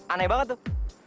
aneh banget tuh